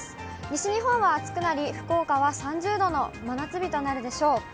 西日本は暑くなり、福岡は３０度の真夏日となるでしょう。